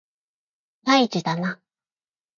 開示だな